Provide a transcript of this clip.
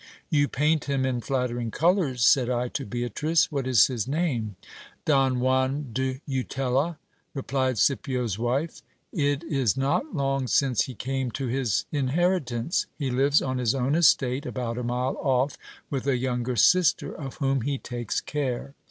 You paint him in flattering colours, said I to Beatrice ; what is his name ? Don Juan de Jutella, replied Scipio's wife : it is not long since he came to his inheritance : he lives on his own estate, about a mile off, . with a younger sister, of whom he takes care.